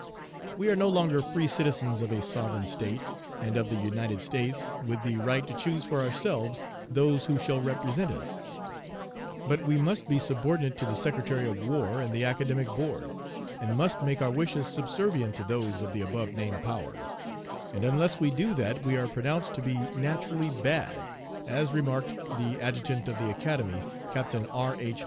We are no longer free citizens of a sovereign State, and of the United States, with the right to choose for ourselves those who shall represent us; but we must be subordinate to the Secretary of War and the Academic Board, and must make our wishes subservient to those of the above named powers, and unless we do that we are pronounced to be 'naturally bad' as remarked the Adjutant of the Academy, Captain R. H.